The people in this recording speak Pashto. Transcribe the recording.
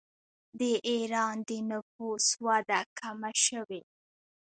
د ایران د نفوس وده کمه شوې.